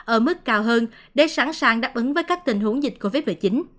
ở mức cao hơn để sẵn sàng đáp ứng với các tình huống dịch covid một mươi chín